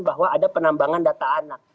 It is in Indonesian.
bahwa ada penambangan data anak